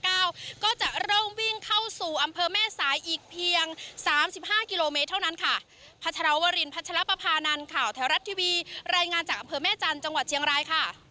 พัชรวรินพัชรประพานานข่าวแถวรัฐทีวีรายงานจากอำเภอแม่จันทร์จังหวัดเชียงรายค่ะ